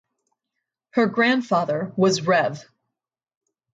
Her grandfather was Rev.